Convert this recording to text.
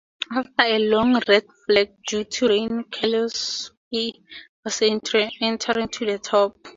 After a long red flag due to rain Keselowski was entering the top ten.